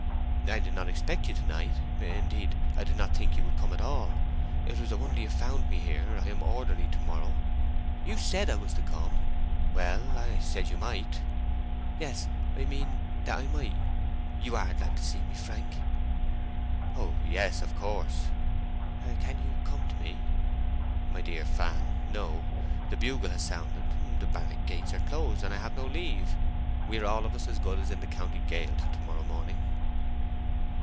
"I did not expect you to night. Indeed, I did not think you would come at all. It was a wonder you found me here. I am orderly to morrow." "You said I was to come." "Well—I said that you might." "Yes, I mean that I might. You are glad to see me, Frank?" "Oh yes—of course." "Can you—come to me!" "My dear Fan, no! The bugle has sounded, the barrack gates are closed, and I have no leave. We are all of us as good as in the county gaol till to morrow morning."